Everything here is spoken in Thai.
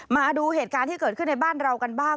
มาดูเหตุการณ์ที่เกิดขึ้นในบ้านเรากันบ้าง